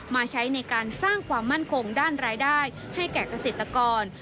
ใช้ในการสร้างความมั่นคงด้านรายได้ให้แก่เกษตรกร